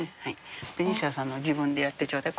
ベニシアさんの自分でやってちょうだい。